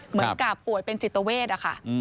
เหมือนกับป่วยเป็นจิตเวทอะค่ะ